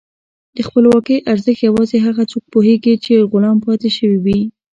د خپلواکۍ ارزښت یوازې هغه څوک پوهېږي چې غلام پاتې شوي وي.